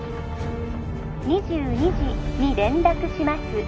☎２２時に連絡します